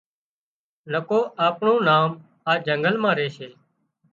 نڪو آپڻون نام آ جنگل مان ريشي